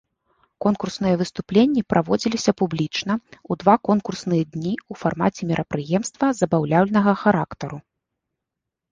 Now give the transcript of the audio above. Конкурсныя выступленні праводзіліся публічна ў два конкурсныя дні ў фармаце мерапрыемства забаўляльнага характару.